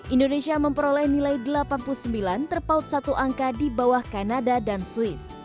indonesia memperoleh nilai delapan puluh sembilan terpaut satu angka di bawah kanada dan swiss